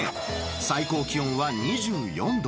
最高気温は２４度。